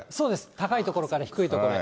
高い所から低い所へ。